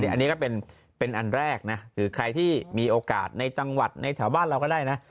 อันนี้ก็เป็นอันแรกนะคือใครที่มีโอกาสในจังหวัดในแถวบ้านเราก็ได้นะ